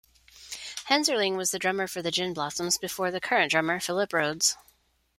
Henzerling was the drummer for the Gin Blossoms before the current drummer, Phillip Rhodes.